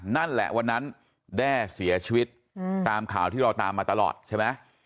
นั่นแหละวันนั้นแด้เสียชีวิตตามข่าวที่เราตามมาตลอดใช่ไหม